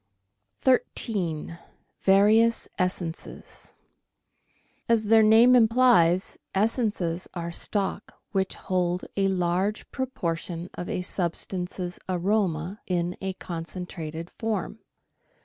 FONDS DE CUISINE 13 13— VARIOUS ESSENCES As their name implies, essences are stock which hold a large proportion of a substance's aroma in a concentrated form.